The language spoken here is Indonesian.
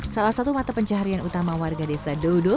salah satu mata pencaharian utama warga desa dodo